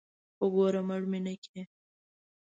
خو ګوره مړ مې نکړې.